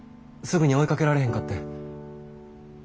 すぐに追いかけられへんかって。